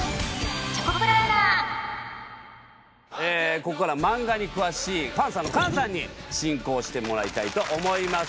ここからはマンガに詳しいパンサーの菅さんに進行してもらいたいと思います。